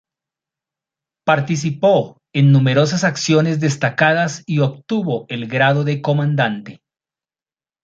Participó en numerosas acciones destacadas y obtuvo el grado de comandante.